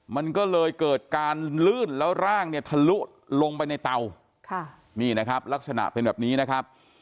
มันก็เลยเกิดการลื่นแล้วร่างเนี่ยทะลุลงไปในเตาค่ะนี่นะครับลักษณะเป็นแบบนี้นะครับ